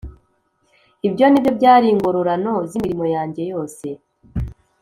Ibyo ni byo byari ingororano z imirimo yanjye yose